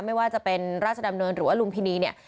ไม่ว่าจะเป็นราชดำเนินหรือว่าลุมพินีเนี่ย